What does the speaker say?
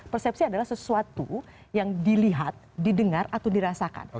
persepsi adalah sesuatu yang dilihat didengar atau dirasakan